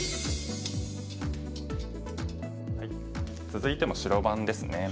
続いても白番ですね。